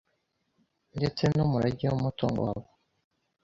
ndetse numurage wumutungo wa bo